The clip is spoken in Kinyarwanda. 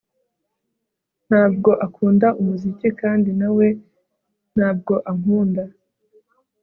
Ntabwo akunda umuziki Kandi na we ntabwo ankunda